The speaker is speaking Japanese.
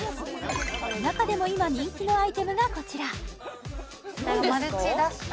中でも今人気のアイテムがこちら何ですか？